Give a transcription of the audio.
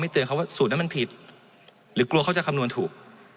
เตือนเขาว่าสูตรนั้นมันผิดหรือกลัวเขาจะคำนวณถูก